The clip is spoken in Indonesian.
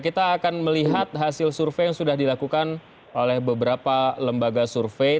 kita akan melihat hasil survei yang sudah dilakukan oleh beberapa lembaga survei